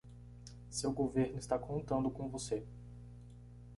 Seu governo está contando com você.